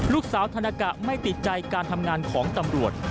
ลูกสาวธนากะไม่ติดใจการทำงานของตำรวจ